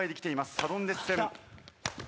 サドンデス戦。